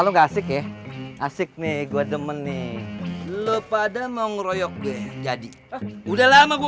hai emokal ga asyik ya asyik nih gua demen nih lu pada mau ngeroyok deh jadi udah lama gua